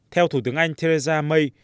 theo thủ tướng anh theresa may